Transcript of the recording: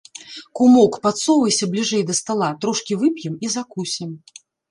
Кумок, падсоўвайся бліжэй да стала, трошкі вып'ем і закусім.